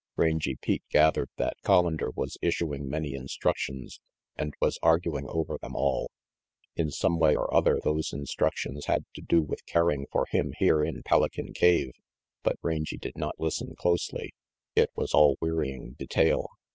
Rangy Pete gathered that Collander was issuing many instruc tions and was arguing over them all. In some way or other those instructions had to do with caring for him here in Pelican cave, but Rangy did not listen closely. It was all wearying detail.